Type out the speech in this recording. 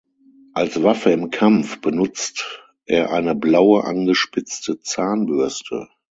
Als Waffe im Kampf benutzt er eine blaue angespitzte Zahnbürste.